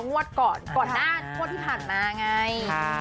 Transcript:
งวดก่อนงวดที่ผ่านมาไง